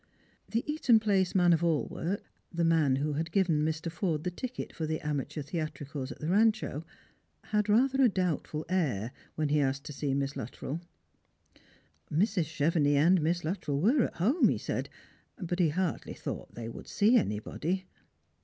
The Eaton jjlace man of all work — the man who had given Mr. Forde the ticket for the amateur theatricals at the Rancho — had rather a doubtful air when he asked to see Miss Luttrell. Mrs. Chevenix and Miss Luttrell were at home, he said, but he hardly thought they would see anybody.